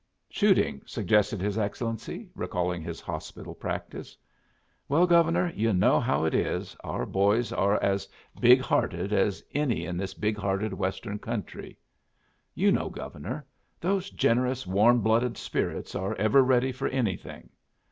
"Shooting," suggested his Excellency, recalling his hospital practice. "Well, Governor, you know how it is. Our boys are as big hearted as any in this big hearted Western country. You know, Governor. Those generous, warm blooded spirits are ever ready for anything."